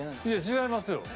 違いますよ。